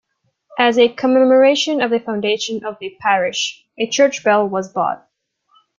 As a commemoration of the foundation of the Parish, a church bell was bought.